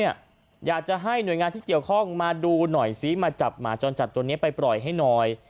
อยากจะให้หน่วยงานที่เกี่ยวข้องมาดูหน่อยซิมาจับหมาจรจัดตัวนี้ไปปล่อยให้หน่อย